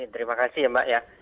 terima kasih ya mbak ya